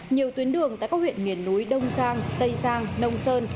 nhiều tuyến đường tại các huyện miền núi đông giang tây giang nông sơn